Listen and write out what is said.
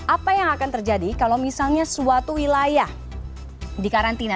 apa yang akan terjadi kalau misalnya suatu wilayah di karantina